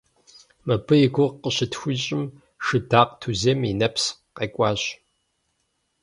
Мыбы и гугъу къыщытхуищӏым, Шыдакъ Тузем и нэпс къекӏуащ.